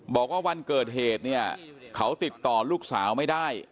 บอกว่าวันเกิดเหตุเนี่ยเขาติดต่อลูกสาวไม่ได้